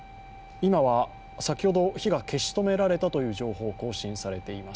今は、先ほど火が消し止められた情報、更新されています。